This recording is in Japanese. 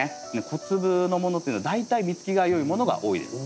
小粒のものっていうのは大体実つきが良いものが多いです。